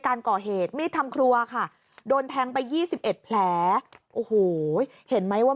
การก่อเหตุมีดทำครัวค่ะโดนแทงไป๒๑แผลโอ้โหเห็นไหมว่า